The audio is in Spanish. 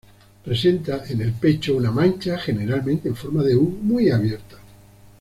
Presenta en el pecho una mancha, generalmente en forma de U muy abierta.